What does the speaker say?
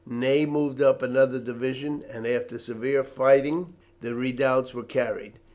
Ney moved up another division, and after severe fighting the redoubts were carried.